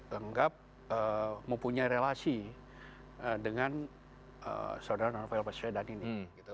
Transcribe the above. menganggap mempunyai relasi dengan saudara saudara pak ifdal dan ini